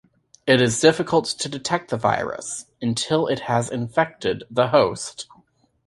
It is difficult to detect the virus until it has infected the host.